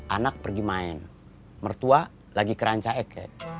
anak pergi main mertua lagi kerancaik